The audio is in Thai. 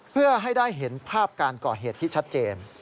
เพื่อให้ได้เห็นภาพการก่อเหตุที่ชัดเจน